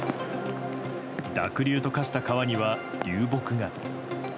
濁流と化した川には流木が。